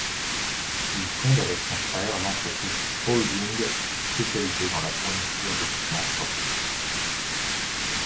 Il fonde avec son frère l'entreprise Spalding, spécialisée dans la fourniture d'équipements sportifs.